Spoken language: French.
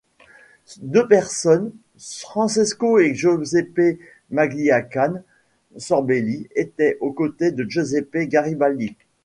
Deux autres personnes, Francesco et Giuseppe Magliacane Sorbelli étaient aux côtés de Giuseppe Garibaldi.